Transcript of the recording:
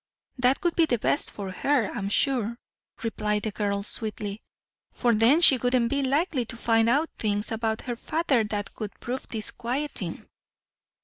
"That would be best for her, I'm sure," replied the girl sweetly. "For then she wouldn't be likely to find out things about her father that would prove disquieting."